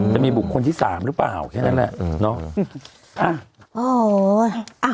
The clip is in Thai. จะมีบุคคลที่๓หรือเปล่าแค่นั้นแหละเนาะ